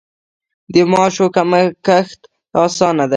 د ماشو کښت اسانه دی.